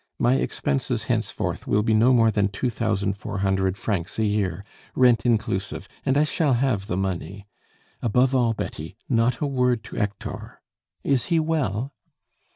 My expenses henceforth will be no more than two thousand four hundred francs a year, rent inclusive, and I shall have the money. Above all, Betty, not a word to Hector. Is he well?"